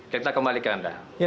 kita kembali ke anda